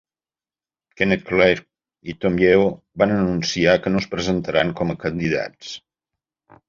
Kenneth Clarke i Tim Yeo van anunciar que no es presentaran com a candidats.